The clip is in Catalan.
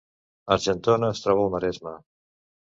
Argentona es troba al Maresme